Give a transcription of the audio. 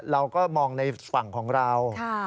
เราก็มองในฝั่งของเรา